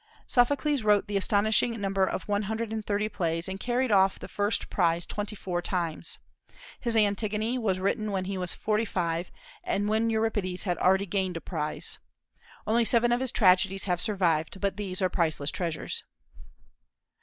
Sophocles wrote the astonishing number of one hundred and thirty plays, and carried off the first prize twenty four times. His "Antigone" was written when he was forty five, and when Euripides had already gained a prize. Only seven of his tragedies have survived, but these are priceless treasures.